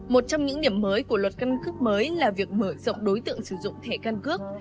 một trong những điểm mới của luật căn cước mới là việc mở rộng đối tượng sử dụng thẻ căn cước